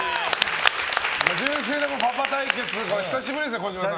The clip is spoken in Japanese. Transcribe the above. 純粋なパパな対決久しぶりですね、児嶋さん。